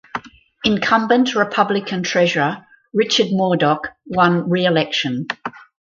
Incumbent Republican Treasurer Richard Mourdock won reelection.